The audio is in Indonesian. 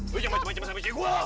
lu jangan macam macam sama si gua